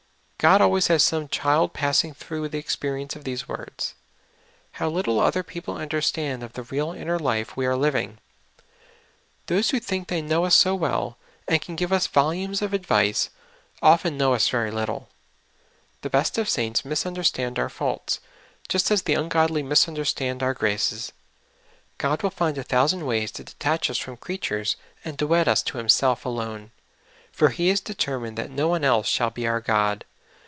God al ways has some child passing through the experience of these words. How little other people understand of the real inner life we are living ! Those wdio think they know us so w^ell, and can give us volumes of ad vice, often know us ver}^ little. The best of saints misunderstand our faults, just as the ungodl}^ misunder stand our graces. God will find a thousand ways to detach us from creatures and to wed us to Himself alone, for He is determined that no one else shall be our God.